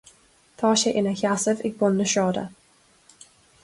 Tá sé ina sheasamh ag bun na sráide.